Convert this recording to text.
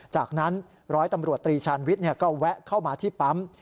จากนั้นร้อยตำรวจตรีชาญวิทย์ก็แวะเข้ามาที่ปั๊ม